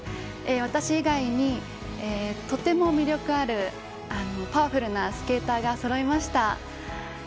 私以外にとても魅力あるパワフルなスケーターがそろいました。